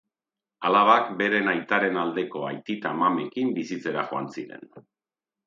Alabak beren aitaren aldeko aitita-amamekin bizitzera joan ziren.